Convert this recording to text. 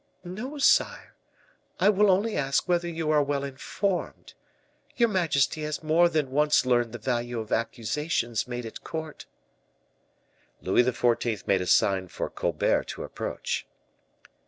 "No, sire; I will only ask whether you are well informed. Your majesty has more than once learned the value of accusations made at court." Louis XIV. made a sign for Colbert to approach.